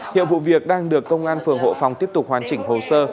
hiện vụ việc đang được công an phường hộ phòng tiếp tục hoàn chỉnh hồ sơ